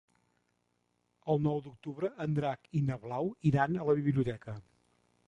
El nou d'octubre en Drac i na Blau iran a la biblioteca.